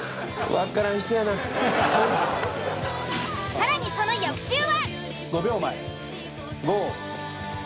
更にその翌週は。